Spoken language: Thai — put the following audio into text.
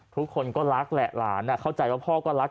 ทุกคนก็รักแหละหลานเข้าใจว่าพ่อก็รัก